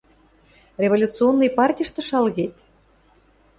– Революционный партьышты шалгет?